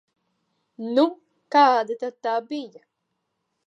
Nu, kāda tad tā bija?